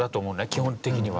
基本的には。